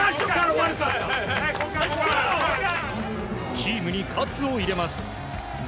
チームにかつを入れます。